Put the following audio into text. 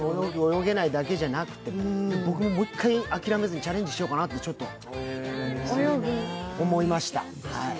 泳げないだけじゃなくて、僕ももう一回、諦めずにチャレンジしようかなって、ちょっと思いました。